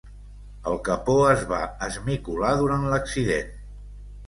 El capó es va esmicolar durant l'accident.